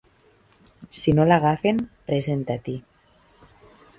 Si no l’agafen, presentar-t’hi.